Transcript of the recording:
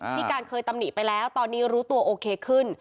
พี่การเคยตำหนิไปแล้วตอนนี้รู้ตัวโอเคขึ้น